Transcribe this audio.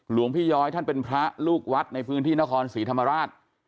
หลวงพี่ย้อยท่านเป็นพระลูกวัดในพื้นที่นครศรีธรรมราช